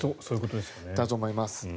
だと思います。